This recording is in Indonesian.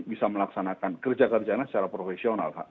bisa melaksanakan kerja kerjanya secara profesional